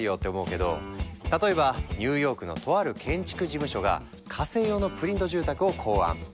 例えばニューヨークのとある建築事務所が火星用のプリント住宅を考案。